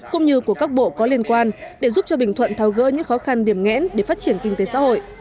cũng như của các bộ có liên quan để giúp cho bình thuận thao gỡ những khó khăn điểm nghẽn để phát triển kinh tế xã hội